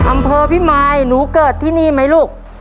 อำเภอพิมายหนูเกิดที่นี่ไหมลูก